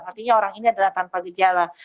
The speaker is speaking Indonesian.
artinya orang ini adalah tanpa gejala